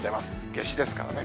夏至ですからね。